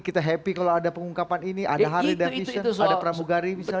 kita happy kalau ada pengungkapan ini ada harry davison ada pramugari misalnya